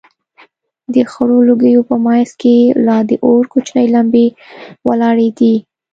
د خړو لوگيو په منځ کښې لا د اور کوچنۍ لمبې ولاړېدې.